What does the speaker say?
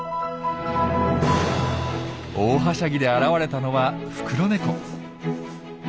大はしゃぎで現れたのはフクロネコ。